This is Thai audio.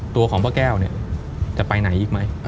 ตัวของพ่อแก้วเนี่ยจะไปไหนอีกไหม